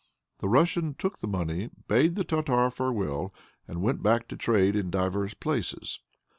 The Russian took the money, bade the Tartar farewell, and went back to trade in divers places.